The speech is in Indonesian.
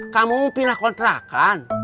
kamu mau pindah kontrakan